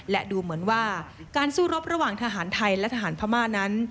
และดูเหมือนว่าการสู้รบระหว่างทหารไทยและทหารพม่านั้น